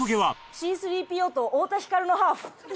Ｃ−３ＰＯと太田光のハーフ！